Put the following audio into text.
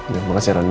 ya makasih rendy